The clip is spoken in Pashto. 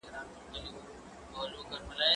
سندري واوره؟!